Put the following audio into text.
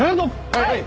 はい！